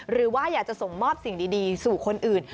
หรือว่าอยากจะส่งมอบสิ่งดีสู่คนอื่น